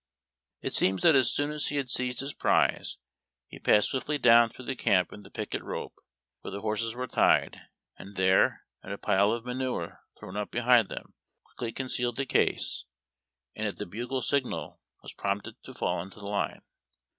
It seems tliat as soon as he had seized his prize he passed swiftly down through the camp to the picket rope, where the horses were tied, and there, in a pile of manure thrown ■up behind them, quickly concealed the case, and, at the bugle signal, was prompt to fall into line.